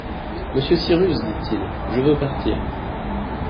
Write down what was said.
Monsieur Cyrus, dit-il, je veux partir.